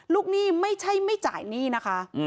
หนี้ไม่ใช่ไม่จ่ายหนี้นะคะ